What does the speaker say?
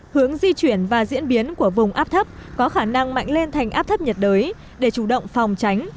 hướng di chuyển và diễn biến của vùng áp thấp có khả năng mạnh lên thành áp thấp nhiệt đới để chủ động phòng tránh